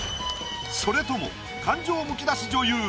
それとも感情むき出し女優